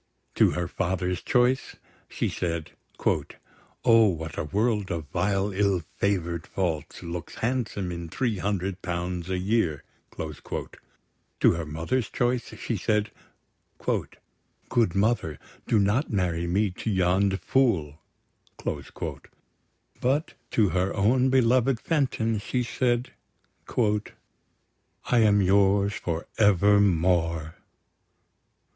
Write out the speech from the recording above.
To her father's choice, she said: "O, what a world of vile ill favour'd faults Looks handsome in three hundred pounds a year!" To her mother's choice, she said: "Good mother, do not marry me to yond' fool!" But to her own beloved Fenton, she said: "I am yours for evermore!"